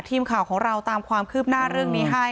ทีมข่าวของเราตามความคืบหน้าเรื่องนี้ให้